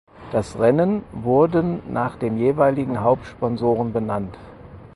Das Rennen wurden nach den jeweiligen Hauptsponsoren benannt.